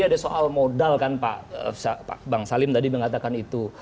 ada soal modal kan pak bang salim tadi mengatakan itu